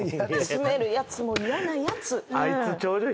詰めるやつも嫌なやつ。